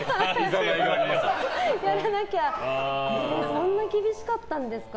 そんな厳しかったんですか。